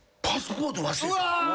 うわ！